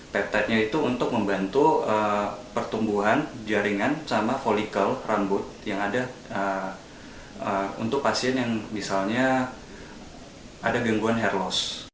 peptidenya itu untuk membantu pertumbuhan jaringan sama polikel rambut yang ada untuk pasien yang misalnya ada gangguan hair loss